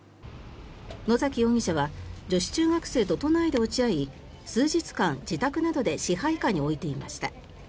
野崎容疑者は女子中学生と都内で落ち合い数日間、自宅などで支配下に置いていました。